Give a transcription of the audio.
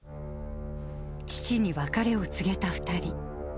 父に別れを告げた２人。